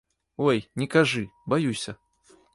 Ой, не кажы, баюся.